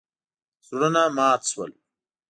زړونه مات شول.